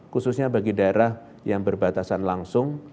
khususnya bagi daerah yang berbatasan langsung